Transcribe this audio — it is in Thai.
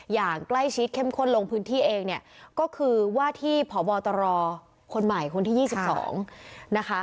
อย่างใกล้ชิดเข้มข้นลงพื้นที่เองเนี่ยก็คือว่าที่พบตรคนใหม่คนที่๒๒นะคะ